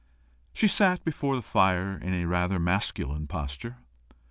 She sat before the fire in a rather masculine posture.